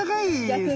逆に。